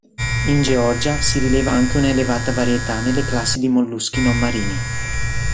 In Georgia si rileva anche una elevata varietà nelle classi di molluschi non marini.